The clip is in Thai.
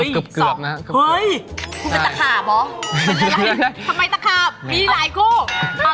ถือว่าสะสมก็สะสม